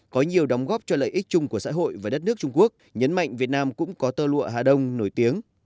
có nhiều đóng góp cho lợi ích chung của xã hội và đất nước trung quốc nhấn mạnh việt nam cũng có tơ lụa hà đông nổi tiếng